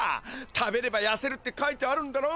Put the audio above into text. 食べればやせるって書いてあるんだろ。